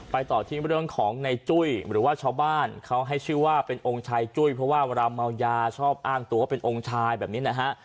ต่อที่เรื่องของในจุ้ยหรือว่าชาวบ้านเขาให้ชื่อว่าเป็นองค์ชายจุ้ยเพราะว่าเวลาเมายาชอบอ้างตัวว่าเป็นองค์ชายแบบนี้นะฮะ